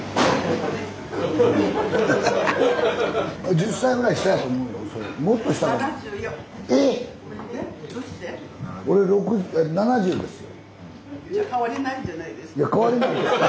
１０歳ぐらい下やと思うよ。